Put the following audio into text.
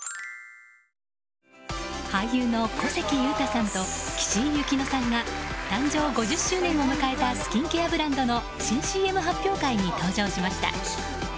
俳優の小関裕太さんと岸井ゆきのさんが誕生５０周年を迎えたスキンケアブランドの新ＣＭ発表会に登場しました。